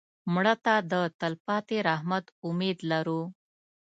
مړه ته د تلپاتې رحمت امید لرو